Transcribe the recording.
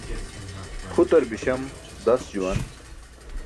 Pʰutar biśam das juwan.